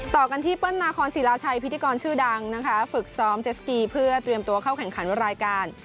ต่อกันที่เปิ้ลนาคอนศิลาชัยพิธีกรชื่อดังนะคะฝึกซ้อมเจสกีเพื่อเตรียมตัวเข้าแข่งขันรายการ